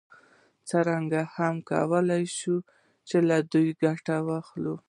څېړونکي هم کولای شي له دې ګټه واخلي.